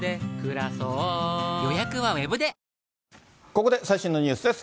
ここで最新のニュースです。